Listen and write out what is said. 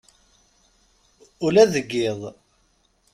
Ula deg yiḍ.